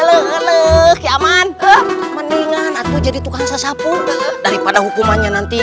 halo halo ki aman mendingan aku jadi tukang sasapu daripada hukumannya nanti